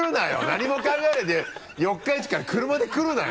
何も考えないで四日市から車で来るなよ！